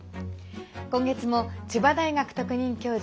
今月も、千葉大学特任教授